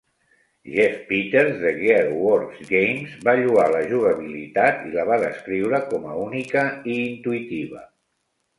Jeff Peters, de GearWorks Games, va lloar la jugabilitat i la va descriure com a única i intuïtiva.